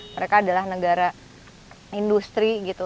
mereka adalah negara industri gitu